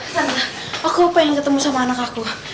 tante aku pengen ketemu sama anak aku